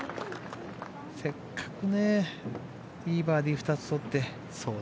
せっかくね、いいバーディー２つとって。